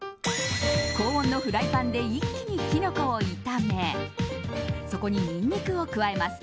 高温のフライパンで一気にキノコを炒めそこにニンニクを加えます。